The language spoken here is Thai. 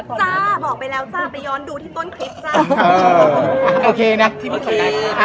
จ้าบอกไปแล้วจ้าไปย้อนดูที่ต้นคลิปจ้า